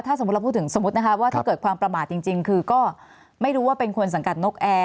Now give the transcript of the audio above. ถ้าเกิดความประมาทจริงก็ไม่รู้ว่าเป็นคนสังกัดนกแอร์